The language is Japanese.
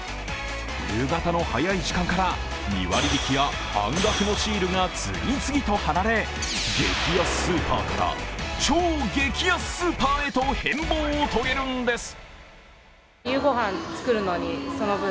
夕方の早い時間から２割引きや半額のシールが次々と貼られ、激安スーパーから、超激安スーパーへと変貌を遂げるんです。